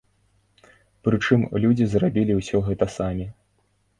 Прычым людзі зрабілі ўсё гэта самі.